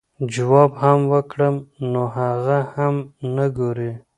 جواب هم وکړم نو هغه هم نۀ ګوري -